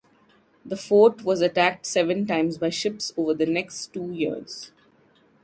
The fort was attacked seven times by ships over the next two years.